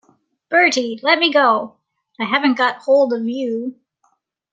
'Bertie — let me go!' 'But I haven't got hold of you.'